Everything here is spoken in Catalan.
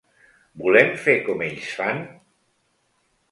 Volem fer com ells fan?